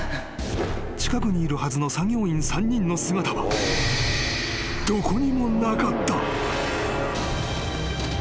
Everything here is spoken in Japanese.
［近くにいるはずの作業員３人の姿はどこにもなかった］